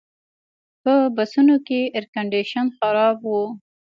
په بسونو کې ایرکنډیشن خراب و.